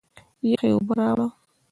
یخي اوبه راړه!